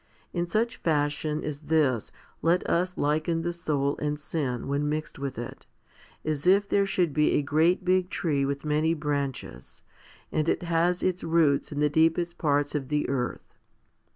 In such fashion as this let us liken the soul and sin when mixed with it, as if there should be a great big tree with many branches and it has its roots in the deepest parts of the earth.